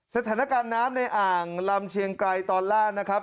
สถานการณ์น้ำในอ่างลำเชียงไกรตอนล่างนะครับ